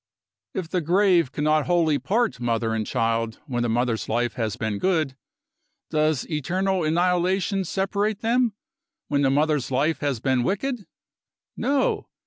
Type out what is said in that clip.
If the grave cannot wholly part mother and child, when the mother's life has been good, does eternal annihilation separate them, when the mother's life has been wicked? No!